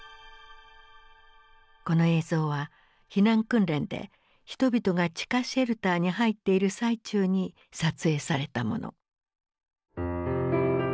この映像は避難訓練で人々が地下シェルターに入っている最中に撮影されたもの。